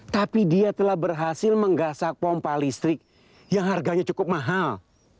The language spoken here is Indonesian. tapi dia telah berhasil menggasak pompa listrik yang harganya cukup mahal